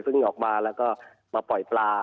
ออกมาแล้วก็มาปล่อยปลา